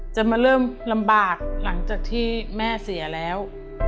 จะมาเริ่มลำบากหลังจากที่แม่เสียแล้ว